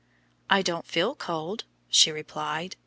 "I don't feel cold," she replied.